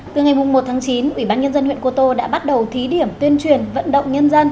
từ ngày một tháng chín ủy ban nhân dân huyện cô tô đã bắt đầu thí điểm tuyên truyền vận động nhân dân